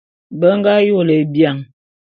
Be nga yôle bian.